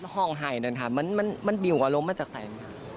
ห้องไห่เนี่ยค่ะมันบิวอารมณ์มาจากไหนนะคะ